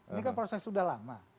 ini kan proses sudah lama